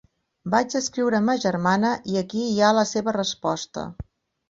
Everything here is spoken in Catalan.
Vaig escriure a ma germana i aquí hi ha la seva resposta.